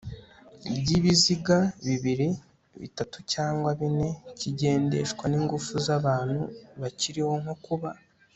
ry ibiziga bibiri bitatu cyangwa bine kigendeshwa n ingufu z abantu bakiriho nko kuba